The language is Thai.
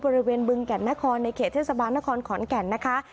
บึงแก่นนครในเขตเทศบาลนครขอนแก่นนะคะ